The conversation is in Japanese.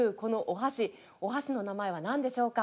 お箸の名前はなんでしょうか？